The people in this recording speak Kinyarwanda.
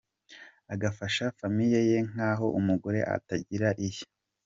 Agafasha famille ye nkaho umugore atagira iye.